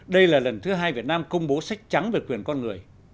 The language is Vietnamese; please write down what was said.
đây là lần thứ hai việt nam công bố sách trắng về quyền con người